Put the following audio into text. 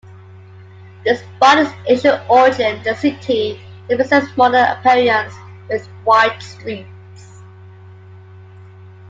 Despite its ancient origin the city presents a modern appearance, with wide streets.